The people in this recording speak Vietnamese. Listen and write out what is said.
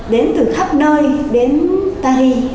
đến từ khắp nơi đến paris